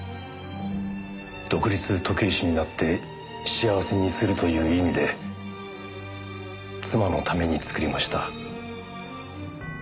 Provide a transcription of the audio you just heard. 独立時計師になって幸せにするという意味で妻のために作りました。